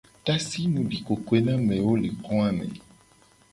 Tasi mu di kokoe na amewo le ko a me.